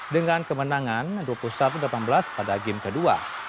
dengan kemenangan dua puluh satu delapan belas pada game kedua